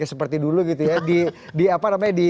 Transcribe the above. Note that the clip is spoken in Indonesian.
seperti dulu gitu ya